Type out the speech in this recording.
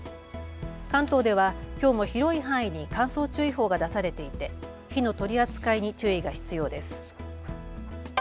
関東ではきょうも広い範囲に乾燥注意報が出されていて火の取り扱いに注意が必要です。